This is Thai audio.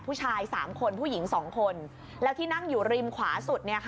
ผู้ชาย๓คนผู้หญิง๒คนแล้วที่นั่งอยู่ริมขวาสุด